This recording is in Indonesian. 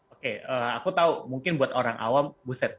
oke aku tahu mungkin buat orang awam buset